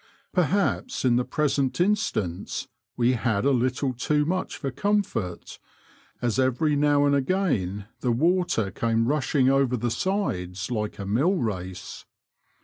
Perhaps in the present instance we had a little too much for comfort, as every now and again the water came rushing over the sides like a mill race.